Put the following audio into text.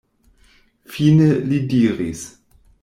Fine li diris: